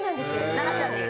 奈々ちゃんに。